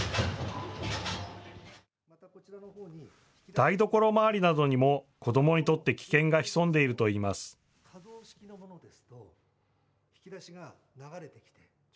台所まわりなどにも子どもにとって危険が潜んでいるといいます。